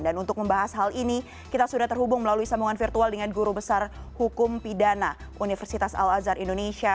dan untuk membahas hal ini kita sudah terhubung melalui sambungan virtual dengan guru besar hukum pidana universitas al azhar indonesia